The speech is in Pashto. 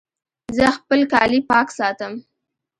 زه خپل کالي پاک ساتم